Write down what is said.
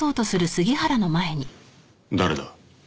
誰だ？